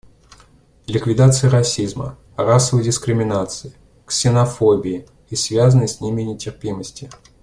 Ликвидация расизма, расовой дискриминации, ксенофобии и связанной с ними нетерпимости.